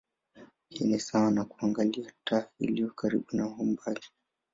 Hii ni sawa na kuangalia taa iliyo karibu au mbali.